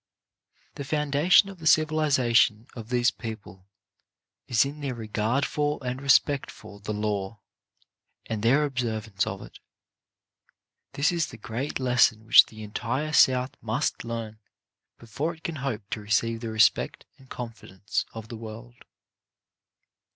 The foundation of the civilization of these peo 76 CHARACTER BUILDING pie is in their regard for and respect for the law, and their observance of it. This is the great les son which the entire South must learn before it can hope to receive the respect and confidence of the world.